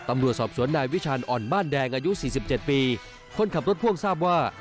อายุ๔๗ปีคนขับรถพ่วงทราบว่า